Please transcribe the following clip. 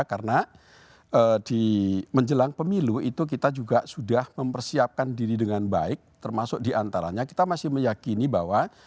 karena di menjelang pemilu itu kita juga sudah mempersiapkan diri dengan baik termasuk di antaranya kita masih meyakini bahwa